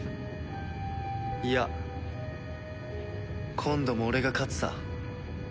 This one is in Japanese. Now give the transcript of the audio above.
いや今度も俺が勝つさ。